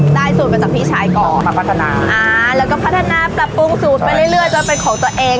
สูตรมาจากพี่ชายก่อนมาพัฒนาอ่าแล้วก็พัฒนาปรับปรุงสูตรไปเรื่อยจนเป็นของตัวเอง